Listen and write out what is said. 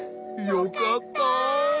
よかった。